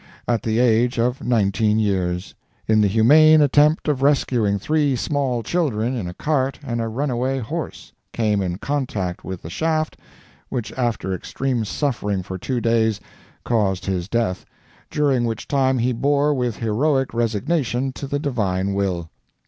at the age of nineteen years, in the humane attempt of rescuing three small children in a cart and a runaway horse, came in contact with the shaft, which after extreme suffering for two days, caused his death, during which time, he bore with heroic resignation to the divine will.